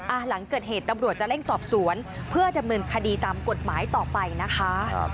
หลังเกิดเหตุตำรวจจะเร่งสอบสวนเพื่อดำเนินคดีตามกฎหมายต่อไปนะคะ